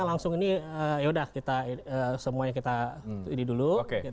ya sudah kita langsung ini semuanya kita ini dulu